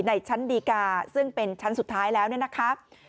ในชั้นดีการ์ซึ่งเป็นชั้นสุดท้ายแล้วนะครับ